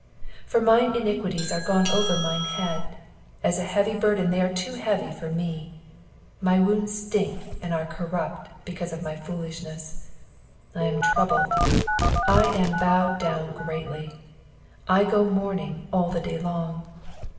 4 For mine iniquities are gone over mine head : as an heavy burden they are too heavy for me. 5 My wounds stink and are corrupt because of my fooUshness. 6 I am troubled ; 1 am bowed down greatly ; I go mourning all the day long.